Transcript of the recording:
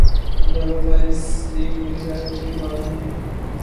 اندازہ تھا ، اس لئے کوئی حیرت کی بات نہیں ۔